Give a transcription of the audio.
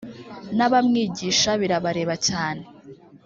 n’abamwigisha birabareba cyane